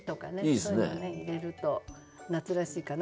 そういうのを入れると夏らしいかなと。